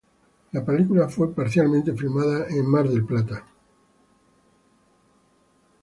La película fue parcialmente filmada en Mar del Plata.